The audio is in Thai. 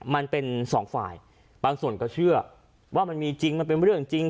มันเป็นสองฝ่ายบางส่วนก็เชื่อว่ามันมีจริงมันเป็นเรื่องจริง